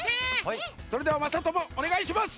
それではまさともおねがいします！